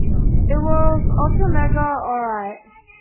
It was "Ultramega Alright".